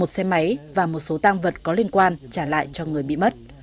một xe máy và một số tăng vật có liên quan trả lại cho người bị mất